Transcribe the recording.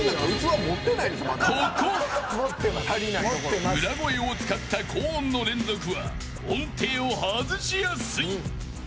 ここ、裏声を使った高音の連続は音程を外しやすい。